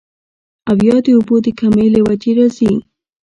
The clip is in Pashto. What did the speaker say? او يا د اوبو د کمۍ له وجې راځي